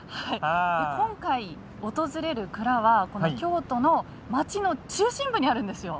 今回訪れる蔵はこの京都の町の中心部にあるんですよ。